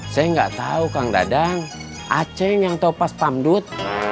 saya gak tau kang dadang acing yang tau pas pamdut